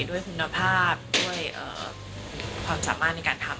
ด้วยคุณภาพด้วยความสามารถในการทำ